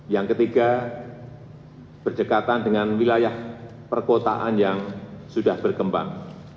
yang ketiga berdekatan dengan wilayah perkotaan yang sudah berkembang